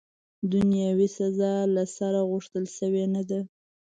دنیاوي سزا، له سره، غوښتل سوې نه ده.